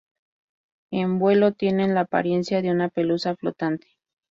En vuelo tienen la apariencia de una pelusa flotante.